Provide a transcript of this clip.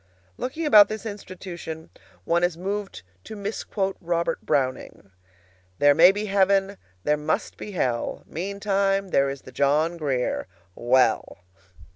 Looking about this institution, one is moved to misquote Robert Browning. "There may be heaven; there must be hell; Meantime, there is the John Grier well!"